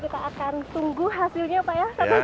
kita akan tunggu hasilnya pak ya